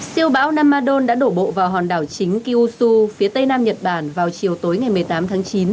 siêu bão nam madun đã đổ bộ vào hòn đảo chính kyushu phía tây nam nhật bản vào chiều tối ngày một mươi tám tháng chín